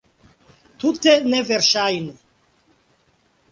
Tute neverŝajne!